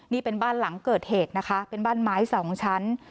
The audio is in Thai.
นี่เป็นบ้านหลังเกิดเหตุนะคะเป็นบ้านไม้สองชั้น